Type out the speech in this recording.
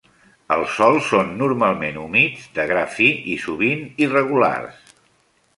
Els sòls són normalment humits, de gra fi i, sovint, irregulars.